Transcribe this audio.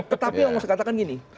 tetapi yang mau saya katakan gini